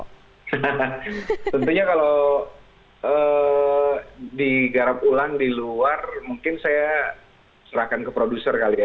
tentunya kalau digarap ulang di luar mungkin saya serahkan ke produser kali ya